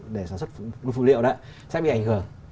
để sản xuất phụ liệu sẽ bị ảnh hưởng